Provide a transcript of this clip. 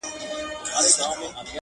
خدایه زموږ ژوند په نوي کال کي کړې بدل؛